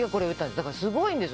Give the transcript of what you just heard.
だからすごいんです。